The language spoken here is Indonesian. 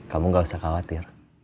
kamu gak usah khawatir